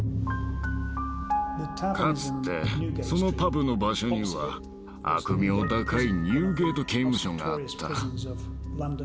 かつてそのパブの場所には悪名高いニューゲート刑務所があった。